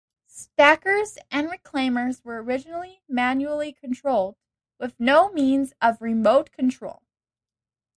Stackers and reclaimers were originally manually controlled, with no means of remote control.